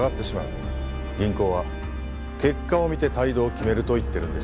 銀行は結果を見て態度を決めると言ってるんです。